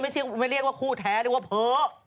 ไม่เรียกว่าคู่แท้หรือว่าเผอร์